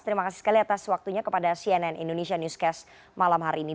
terima kasih sekali atas waktunya kepada cnn indonesia newscast malam hari ini